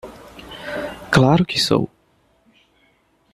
Claro que sou!